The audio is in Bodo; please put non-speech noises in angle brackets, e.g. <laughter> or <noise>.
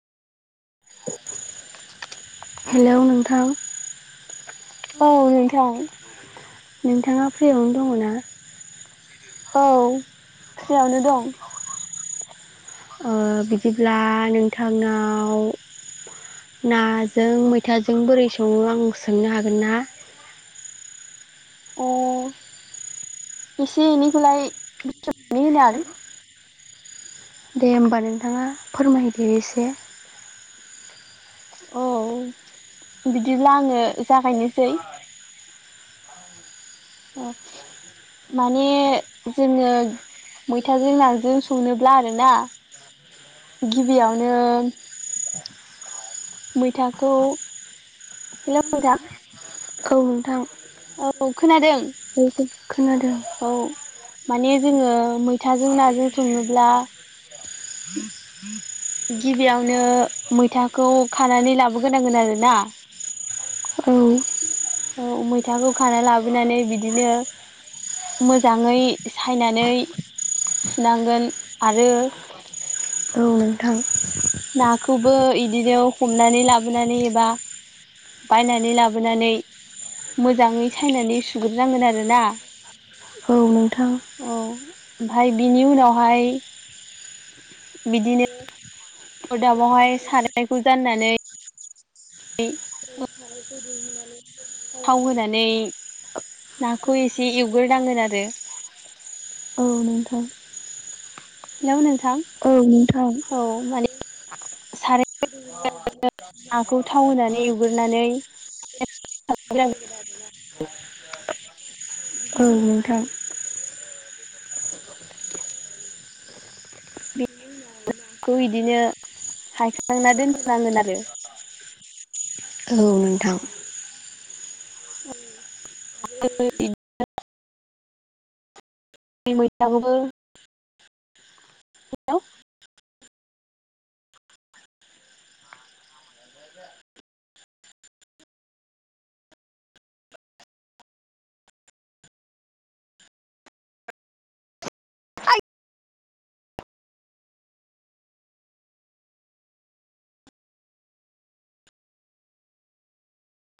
हेलौ नोंथां। औ नोंथां। नोंथाङा फ्रियावनो दङ' ना? औ फ्रियावनो दं। ओ बिदिब्ला नोंथांनाव ना जों मैथाजों बोरै सङो आं सोंनो हागोन ना? अ एसे एनैखौलाय <unintelligible> दे होमबा नोंथाङा फोरमायदो एसे। औ बिदिब्ला आङो जागायनोसै। अ माने जोङो मैथाजों नाजों सङोब्ला गिबियावनो <inaudible> मैथाखौ हेल' नोंथां औ नोंथां खोनादों औ खोनादों उम उम खोना औ <unintelligible> माने जोङो मैथाजों नाजों सङोब्ला गिबियावनो मैथाखौ खानानै लाबोग्रोनांगोन आरोना <unintelligible> <unintelligible> औ मैथाखौ खाना लाबोनानै बिदिनो मोजाङै सायनानै सुनांगोन आरो औ नोंथां नाखौबो इदिनो हमनानै लाबोनानै एबा बायनानै लाबोनानै मोजाङै सायनानै सुग्रोनांगोन आरोना मोजाङै औ नोंथां। औ ओमफाय बिनि उनावहाय बिदिनो अरदाबावहाय सारायखौ जाननानै ऐ मा सारायखौ दुंहोनानै थाव होनानै नाखौ एसे एवग्रोनांगोन आरो। औ नोंथां। हेलौ नोंथां औ नोंथां औ माने <unintelligible> <unintelligible> साराय नाखौ थाव होनानै एवग्रोनानै औ नोंथां। <inaudible> बिनि उनाव खौ इदिनो हायखांना दोनथ'नांगोन आरो। औ नोंथां। <unintelligible> ऐ मैथाखौबो <inaudible> <unintelligible>